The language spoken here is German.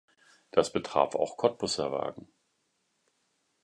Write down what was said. Das betraf auch Cottbuser Wagen.